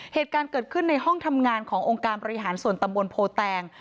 เหตุการณ์เกิดขึ้นในห้องทำงานขององค์การบริหารส่วนตำบลโพแตง